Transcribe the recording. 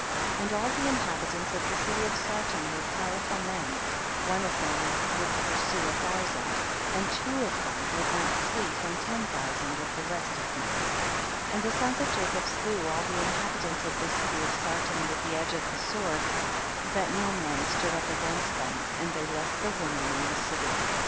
50. And all the inhabitants of the city of Sarton were powerful men, one of them would pursue a thou sand, and two of them would not flee from ten thousand of the rest of men. 51. And the sons of Jacob slew all the inhabitants of the city of Sar ton with the edge of the sword, that no man stood up against them, and they left the women in the city. 52.